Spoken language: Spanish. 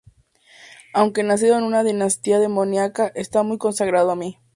Aunque nacido en una dinastía demoníaca, estaba muy consagrado a mí.